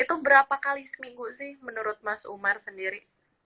itu berapa kali seminggu sih menurut mas umar sendiri